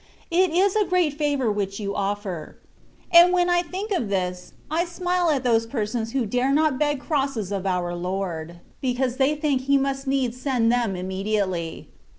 It is a great favour which you offer. And when I think of this, I smile at those persons who dare not beg crosses of our Lord, because they think He must needs send them immediately.